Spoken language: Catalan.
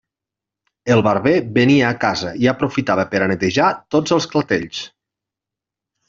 El barber venia a casa i aprofitava per a netejar tots els clatells.